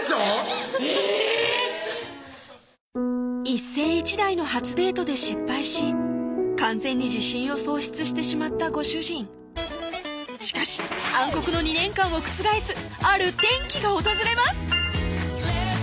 一世一代の初デートで失敗し完全に自信を喪失してしまったご主人しかし暗黒の２年間を覆すある転機が訪れます